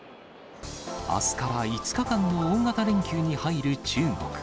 あすから５日間の大型連休に入る中国。